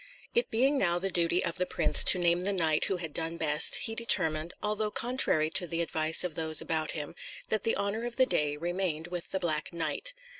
It being now the duty of the prince to name the knight who had done best, he determined, although contrary to the advice of those about him, that the honour of the day remained with the Black Knight.